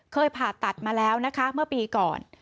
เคยผ่าตัดมาแล้วเมื่อปีก่อน